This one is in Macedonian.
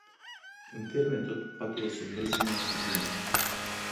Интернетот патува со брзина на светлината.